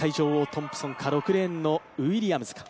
トンプソンか６レーンのウィリアムズか。